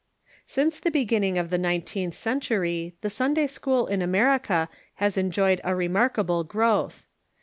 Since the beginning of the nineteenth century the Sunda}' school in America has enjoyed a remarkable growth.